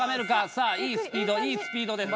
さあいいスピードいいスピードです